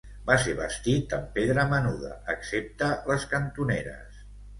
Va ser bastit amb pedra menuda excepte les cantoneres.